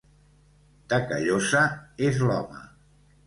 De Callosa és l'home.